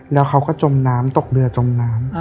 แล้วเขาก็จมน้ำตกเรือจมน้ำ